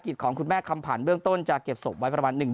ของคุณแม่คำผันเบื้องต้นจะเก็บศพไว้ประมาณหนึ่ง